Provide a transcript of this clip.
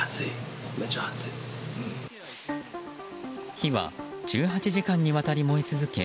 火は１８時間にわたり燃え続け